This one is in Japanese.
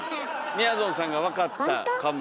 みやぞんさんが分かったかも。